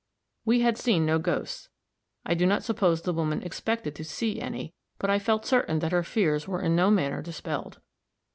We had seen no ghosts; I do not suppose the woman expected to see any, but I felt certain that her fears were in no manner dispelled.